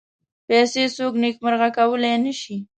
پیسې څوک نېکمرغه کولای نه شي.